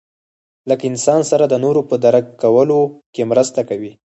له انسان سره د نورو په درک کولو کې مرسته کوي.